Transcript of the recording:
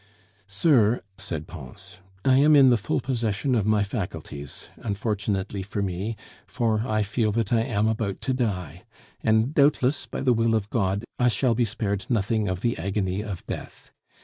"Sir," said Pons, "I am in the full possession of my faculties, unfortunately for me, for I feel that I am about to die; and doubtless, by the will of God, I shall be spared nothing of the agony of death.